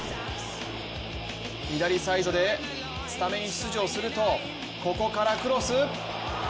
左サイドでスタメン出場するとここからクロス。